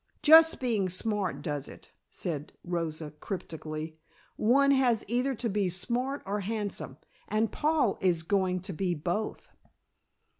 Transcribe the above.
"Just being smart does it," said Rosa cryptically. "One has either to be smart or handsome, and Paul is going to be both."